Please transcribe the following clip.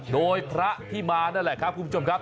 โดยพระที่มานั่นแหละครับคุณผู้ชมครับ